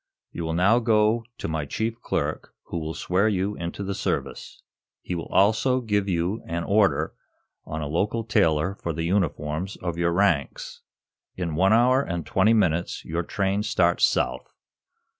You will now go to my chief clerk, who will swear you into the service. He will also give you an order on a local tailor for the uniforms of your ranks. In one hour and twenty minutes your train starts south.